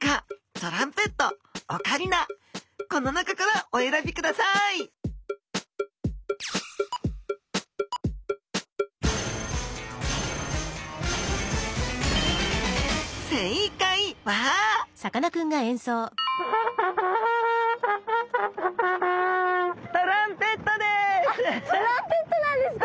トランペットなんですか？